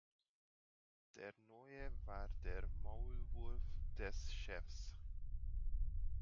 Der Neue war der Maulwurf des Chefs.